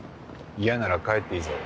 嫌なら帰っていいぞ。